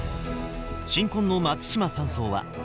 新婚の松島３曹は。